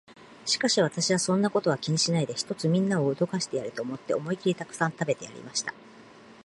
しかし私は、そんなことは気にしないで、ひとつみんなを驚かしてやれと思って、思いきりたくさん食べてやりました。